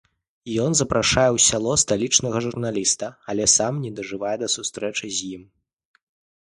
Ён запрашае ў сяло сталічнага журналіста, але сам не дажывае да сустрэчы з ім.